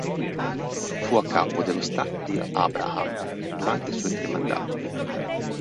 Fu a capo dello staff di Abraham durante i suoi tre mandati.